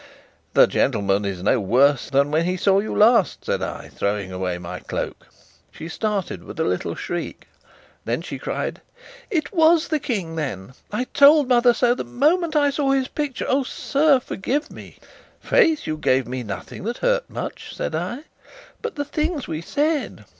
"The gentleman is no worse than when he saw you last," said I, throwing away my cloak. She started, with a little shriek. Then she cried: "It was the King, then! I told mother so the moment I saw his picture. Oh, sir, forgive me!" "Faith, you gave me nothing that hurt much," said I. "But the things we said!"